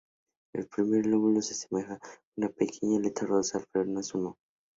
El primer lóbulo se asemeja a una pequeña aleta dorsal, pero no es uno.